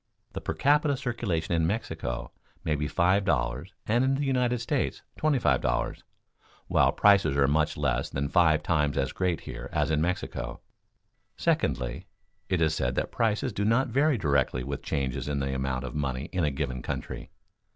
The per capita circulation in Mexico may be five dollars and in the United States twenty five dollars, while prices are much less than five times as great here as in Mexico. Secondly, it is said that prices do not vary directly with changes in the amount of money in a given country.